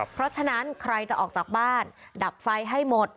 เพราะฉะนั้นใครจะออกจากบ้านดับไฟให้หมด